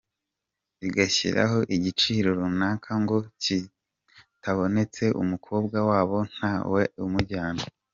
igashyiraho igiciro runaka ngo kitabonetse umukobwa wabo nta we umujyana.